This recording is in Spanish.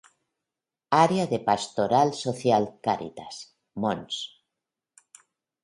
Área de Pastoral Social Caritas: Mons.